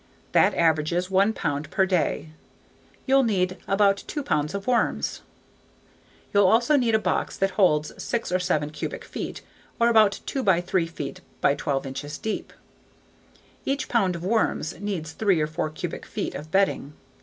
That averages one pound per day. You'll need about two pounds of worms. You'll also need a box that holds six or seven cubic feet, or about 2 x 3 feet by 12 inches deep. Each pound of worms needs three or four cubic feet of bedding.